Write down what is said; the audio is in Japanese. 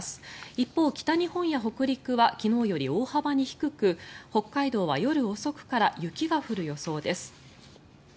一方、北日本や北陸は昨日より大幅に低く北海道は夜遅くから雪が降る予想です。